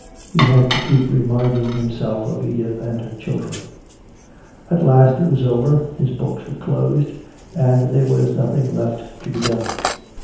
He had to keep reminding himself of Edith and her children. At last it was over, his books were closed, and there was nothing left to be done.